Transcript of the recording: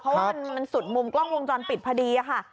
เพราะว่ามันสุดมุมกล้องวงจรปิดพอดีค่ะ